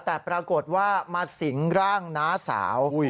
แต่ปรากฏว่ามาสิงร่างน้าสาว